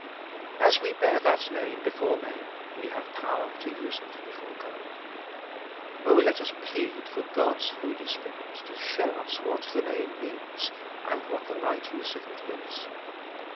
As we bear that Name before men, we have power to use it before God. O let us plead for God's Holy Spirit to show us what the Name means, and what the right use of it is.